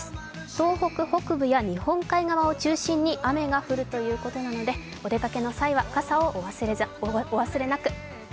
東北北部や、日本海側を中心に雨が降るということなのでお出かけの際は傘をお忘れなく。